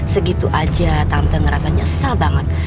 segitu aja tante ngerasa nyesel banget